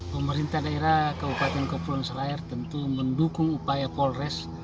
pemerintah daerah kabupaten kepulauan selayar tentu mendukung upaya polres